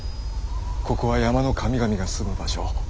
ここは山の神々が住む場所。